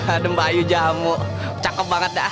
ada bayu jamu cakep banget dah